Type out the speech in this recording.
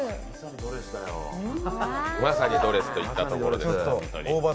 まさにドレスといったところです。